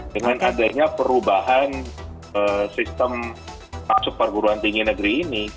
dengan adanya perubahan sistem masuk perguruan tinggi negeri ini